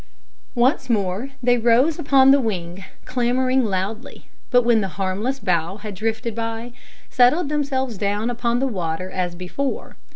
Once more they rose upon the wing, clamouring loudly, but when the harmless bough had drifted by, settled themselves down upon the water as before.